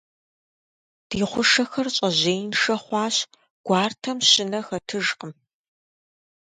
Ди хъушэхэр щӀэжьеиншэ хъуащ, гуартэм щынэ хэтыжкъым.